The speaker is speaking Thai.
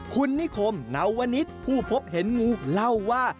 คุณนิคมนาวนิษฐ์ผู้พบเห็นงูเล่าว่า